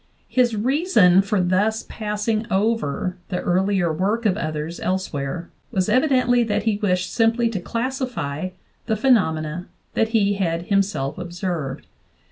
His reason for thus passing over the earlier work of others elsewhere was evidently that he wished simply to classify the phenomena that he had himself observed.